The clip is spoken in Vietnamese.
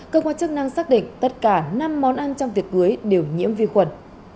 cơ quan chức năng xác định tất cả năm món ăn trong tiệc cưới đều nhiễm vi khuẩn